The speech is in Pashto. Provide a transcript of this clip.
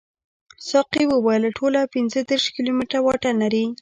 ساقي وویل ټول پنځه دېرش کیلومتره واټن لري.